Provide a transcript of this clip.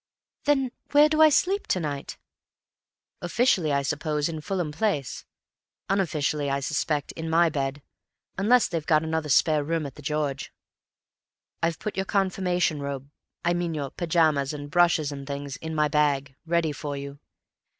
"Then where do I sleep to night?" "Officially, I suppose, in Fulham Place; unofficially, I suspect, in my bed, unless they've got another spare room at 'The George.' I've put your confirmation robe—I mean your pyjamas and brushes and things—in my bag, ready for you.